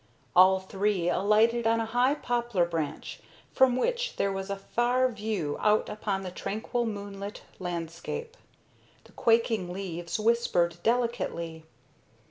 All three alighted on a high poplar branch, from which there was a far view out upon the tranquil, moonlit landscape. The quaking leaves whispered delicately.